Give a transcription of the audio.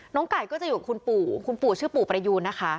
ไก่ก็จะอยู่กับคุณปู่คุณปู่ชื่อปู่ประยูนนะคะ